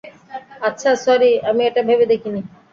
আচ্ছা, স্যরি, আমি এটা ভেবে দেখিনি।